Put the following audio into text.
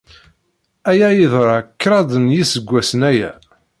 Aya yeḍra kraḍ n yiseggasen aya.